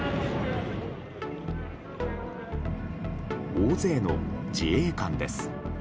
大勢の自衛官です。